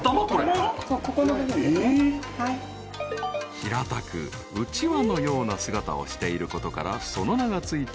［平たくうちわのような姿をしていることからその名が付いた］